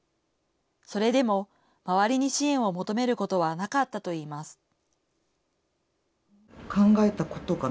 それでも周りに支援を求めることはなかったといいます。